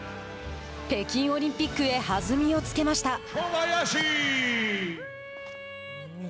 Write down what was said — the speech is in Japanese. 北京オリンピックへ弾みをつけました。